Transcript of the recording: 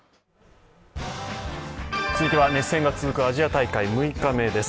続いては熱戦が続くアジア大会６日目です。